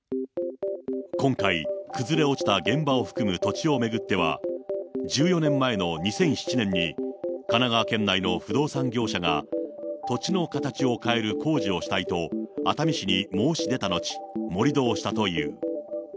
今回、崩れ落ちた現場を含む土地を巡っては、１４年前の２００７年に、神奈川県内の不動産業者が、土地の形を変える工事をしたいと、熱海市に申し出た後、盛り土をしたという。